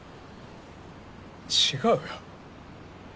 違うよ。